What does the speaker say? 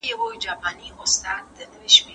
تل په خپل ژوند کي خوشاله واوسئ.